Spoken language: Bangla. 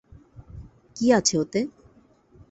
কী আছে ওতে?